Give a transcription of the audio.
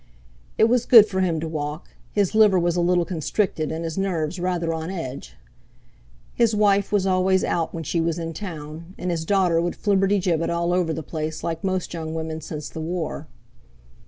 It was good for him to walk—his liver was a little constricted, and his nerves rather on edge. His wife was always out when she was in Town, and his daughter would flibberty gibbet all over the place like most young women since the War.